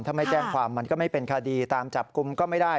ถ้าไม่แจ้งความมันก็ไม่เป็นคดีตามจับกลุ่มก็ไม่ได้